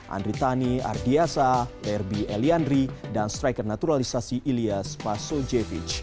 andritani ardiasa herbie eliandri dan striker naturalisasi ilyas pasuljevic